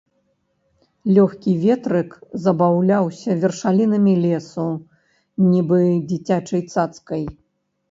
Лёгкі ветрык забаўляўся вершалінамі лесу, нібы дзіцячай цацкай.